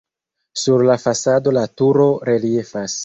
Sur la fasado la turo reliefas.